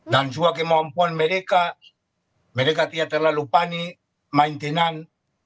dan juga kemampuan mereka mereka tidak terlalu panik main tenang